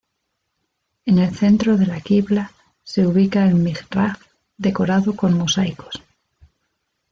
En el centro de la qibla se ubica el mihrab decorado con mosaicos.